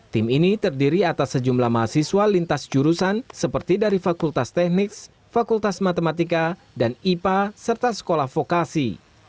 tim ini terdiri atas sejumlah mahasiswa lintas jurusan seperti dari fakultas tekniks fakultas matematika dan ipa serta sekolah vokasi